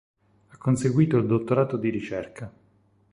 Ha conseguito il dottorato di ricerca.